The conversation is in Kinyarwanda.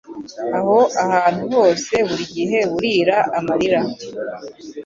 aho ahantu hose burigihe burira amarira